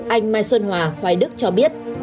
anh mai xuân hòa hoài đức cho biết